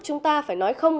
chúng ta phải nói không